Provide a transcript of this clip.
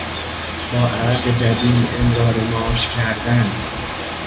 با عرق جبین امرار معاش کردن